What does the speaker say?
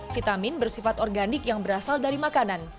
vitamin bersifat organik yang berasal dari makanan